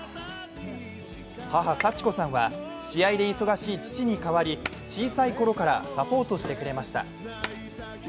母・祥子さんは試合で忙しい父に代わり、小さい頃からサポートしてくれました。